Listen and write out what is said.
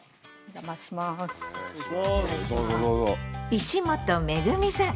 石本恵美さん。